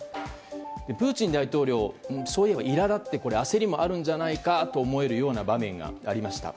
プーチン大統領そういえば苛立って焦りもあるんじゃないかと思えるような場面がありました。